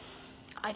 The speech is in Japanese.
あれ？